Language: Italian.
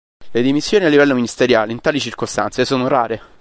Le dimissioni a livello ministeriale in tali circostanze sono rare.